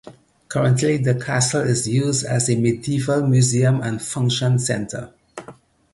Currently the castle is used as a medieval museum and function centre.